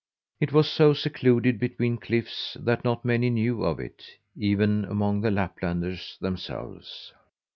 It was so secluded between cliffs that not many knew of it, even among the Laplanders themselves.